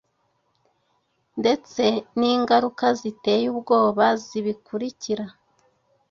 ndetse n’ingaruka ziteye ubwoba zibikurikira.